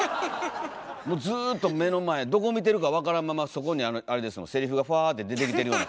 もうずっと目の前どこ見てるか分からんままそこにセリフがふわって出てきてるような。